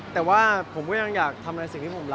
แต่ว่าผมก็ยังอยากทำได้สิ่งที่ผมรักอยู่